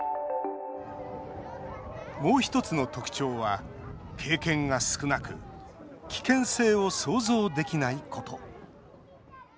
もう１つの特徴は経験が少なく危険性を想像できないこと。